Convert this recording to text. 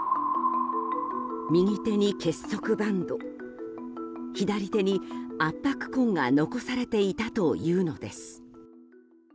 右手に結束バンド左手に圧迫痕が残されていたというのです。